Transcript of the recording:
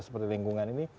seperti lingkungan ini